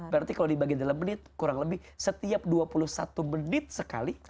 berarti kalau dibagi dalam menit kurang lebih setiap dua puluh satu menit sekali